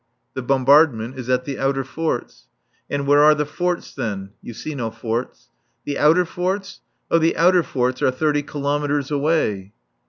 The bombardment is at the outer forts. And where are the forts, then? (You see no forts.) The outer forts? Oh, the outer forts are thirty kilometres away.